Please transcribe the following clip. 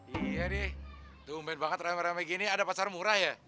iya nih tumben banget rame rame gini ada pasar murah ya